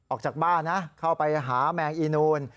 ออกจากบ้านนะเข้าไปหาแมงอีนูน